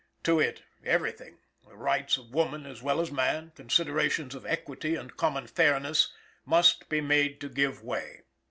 To it, everything the rights of woman as well as man; considerations of equity and of common fairness must be made to give way.